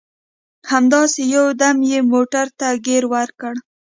همداسې یو دم یې موټر ته ګیر ورکړ.